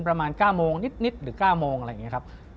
ประมาณ๙โมงนิดหรือ๙โมงอะไรอย่างนี้ครับ